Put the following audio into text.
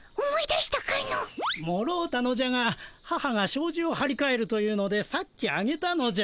もろうたのじゃが母がしょうじをはりかえるというのでさっきあげたのじゃ。